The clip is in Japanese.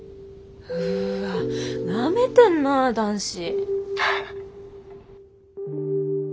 うわなめてんなあ男子！